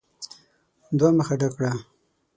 دوه مخه ډک کړه !